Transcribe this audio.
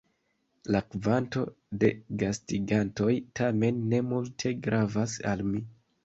La kvanto de gastigantoj tamen ne multe gravas al mi.